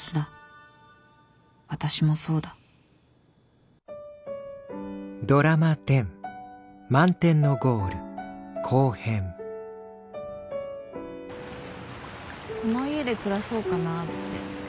私もそうだこの家で暮らそうかなって。